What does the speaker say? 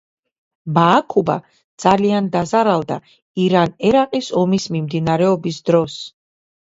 ბააქუბა ძალიან დაზარალდა ირან-ერაყის ომის მიმდინარეობის დროს.